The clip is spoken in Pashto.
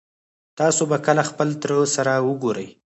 تاسو به کله خپل تره سره وګورئ